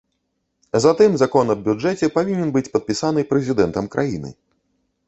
Затым закон аб бюджэце павінен быць падпісаны прэзідэнтам краіны.